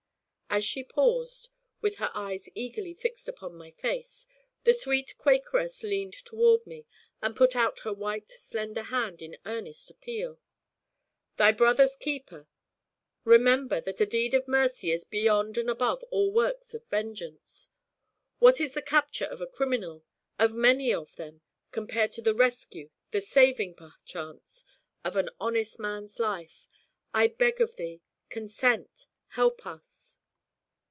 As she paused, with her eyes eagerly fixed upon my face, the sweet Quakeress leaned toward me, and put out her white slender hand in earnest appeal. '"Thy brother's keeper;" remember that a deed of mercy is beyond and above all works of vengeance. What is the capture of a criminal, of many of them, compared to the rescue, the saving, perchance, of an honest man's life? I beg of thee, consent, help us!'